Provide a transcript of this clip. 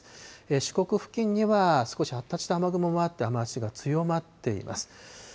四国付近には少し発達した雨雲もあって、雨足が強まっています。